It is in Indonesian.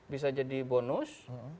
bisa jadi bonus